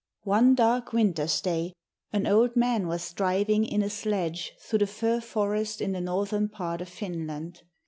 One dark winter's day an old man was driving in a sledge through the fir forest in the northern part of Finland.